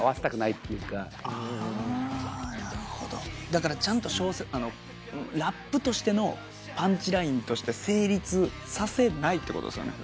だからちゃんとラップとしてのパンチラインとして成立させないってことですよね？